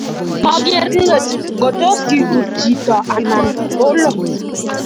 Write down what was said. Maker let ngotos kikuro chito anan olo